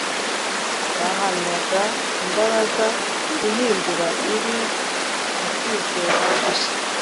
Bahamyaga imbaraga ihindura iri mu mu kwizera gushya